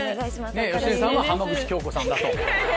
芳根さんは浜口京子さんだと。